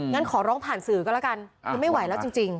งั้นขอร้องผ่านสื่อก็แล้วกันคือไม่ไหวแล้วจริง